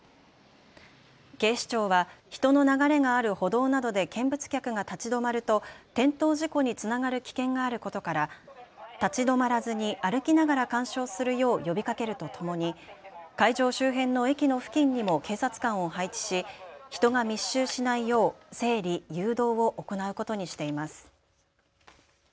警視庁は人の流れがある歩道などで見物客が立ち止まると転倒事故につながる危険があることから立ち止まらずに歩きながら観賞するよう呼びかけるとともに会場周辺の駅の付近にも警察官を配置し、人が密集しないよう整理・誘導を行うことにしています。